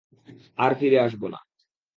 আর ফিরে আসব না।